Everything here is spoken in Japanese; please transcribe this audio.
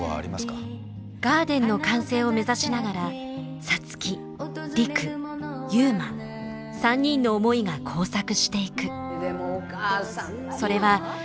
ガーデンの完成を目指しながら皐月陸悠磨３人の思いが交錯していく。